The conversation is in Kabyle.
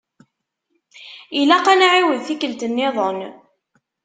Ilaq ad nɛiwed tikelt-nniḍen.